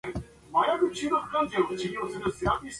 The province was abolished in the same September.